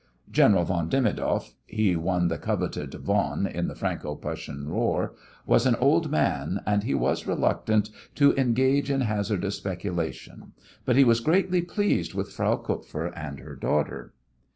General von Demidoff he won the coveted "von" in the Franco Prussian War was an old man, and he was reluctant to engage in hazardous speculation, but he was greatly pleased with Frau Kupfer and her daughter.